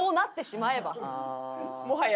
もはや？